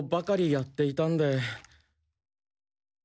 「やっていたんで」？